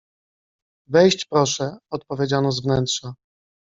Wejść proszę! — odpowiedziano z wnętrza.